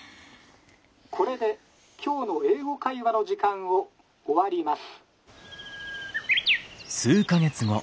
これで今日の『英語会話』の時間を終わります」。